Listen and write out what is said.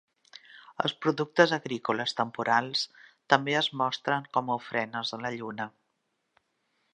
Els productes agrícoles temporals també es mostren com a ofrenes a la lluna.